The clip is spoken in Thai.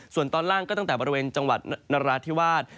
ส่วนตอนล่างก็ตั้งแต่บริเวณจังหวัดนราธิวาส